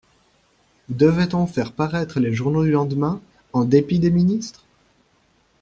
Devait-on faire paraître les journaux du lendemain, en dépit des ministres?